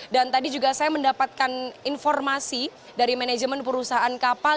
dan tadi juga saya mendapatkan informasi dari manajemen perusahaan kapal